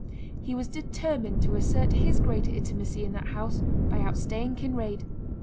He was determined to assert his greater intimacy in that house by outstaying Kinraid.